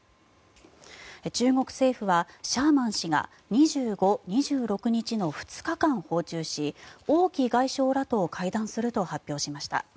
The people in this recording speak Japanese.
中国政府はシャーマン氏が２５、２６日の２日間訪中し王毅外相らと会談すると発表しました。